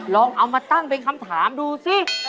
ลองเอามาตั้งเป็นคำถามดูสิ